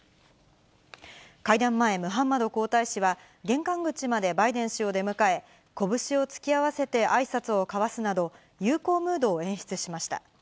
会談前、ムハンマド皇太子は玄関口までバイデン氏を出迎え、拳を突き合わせてあいさつを交わすなど、友好ムードを演出しました。